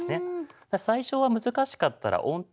最初は難しかったら音程を例えば。